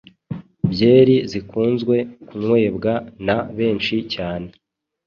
Byeri zikunzwe kunwebwa na benshi cyane